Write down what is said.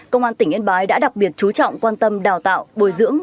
công an tỉnh yên bái đã đặc biệt chú trọng quan tâm đào tạo bồi dưỡng